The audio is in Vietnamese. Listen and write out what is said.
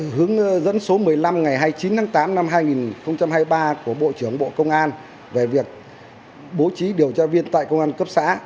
hướng dẫn số một mươi năm ngày hai mươi chín tháng tám năm hai nghìn hai mươi ba của bộ trưởng bộ công an về việc bố trí điều tra viên tại công an cấp xã